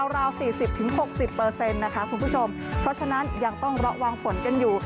ราว๔๐๖๐นะคะคุณผู้ชมเพราะฉะนั้นยังต้องระวังฝนกันอยู่